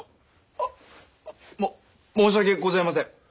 あもっ申し訳ございません。